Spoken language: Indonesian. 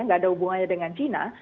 nggak ada hubungannya dengan china